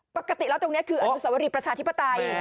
ปกติแล้วตรงนี้คืออนุสวรีประชาธิปไตย